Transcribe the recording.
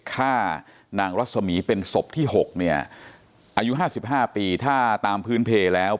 ฆ่านางรัศมีเป็นศพที่๖เนี่ยอายุ๕๕ปีถ้าตามพื้นเพลแล้ว